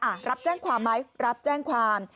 อ่ะรับแจ้งความไหมรับแจ้งความ